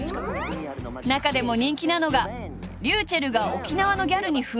中でも人気なのがｒｙｕｃｈｅｌｌが沖縄のギャルに扮する